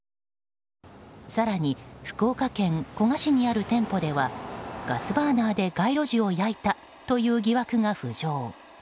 更に福岡県古賀市にある店舗ではガスバーナーで街路樹を焼いたという疑惑が浮上。